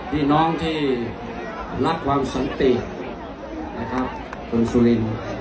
พี่น้องที่รักความสันตินะครับคนสุรินทร์